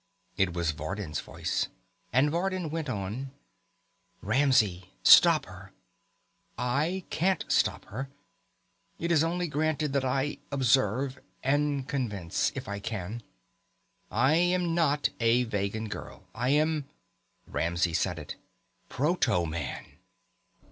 It was Vardin's voice, and Vardin went on: "Ramsey, stop her. I can't stop her. It is only granted that I observe and convince, if I can. I am not a Vegan girl. I am " Ramsey said it. "Proto man!"